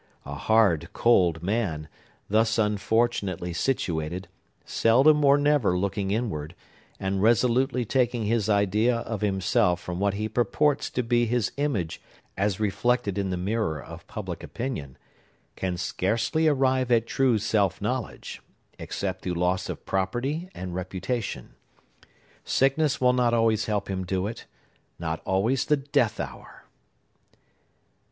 A hard, cold man, thus unfortunately situated, seldom or never looking inward, and resolutely taking his idea of himself from what purports to be his image as reflected in the mirror of public opinion, can scarcely arrive at true self knowledge, except through loss of property and reputation. Sickness will not always help him do it; not always the death hour!